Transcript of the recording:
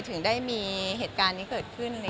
ถึงได้มีเวลาเกิดขึ้น